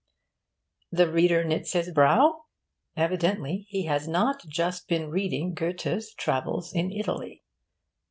The reader knits his brow? Evidently he has not just been reading Goethe's 'Travels in Italy.